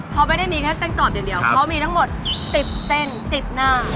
เพราะไม่ได้มีแค่เส้นดอมเดียวเพราะมีทั้งหมด๑๐เส้น๑๐หน้า